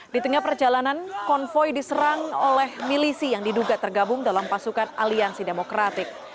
di tengah perjalanan konvoy diserang oleh milisi yang diduga tergabung dalam pasukan aliansi demokratik